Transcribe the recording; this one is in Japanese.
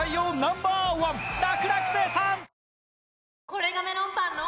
これがメロンパンの！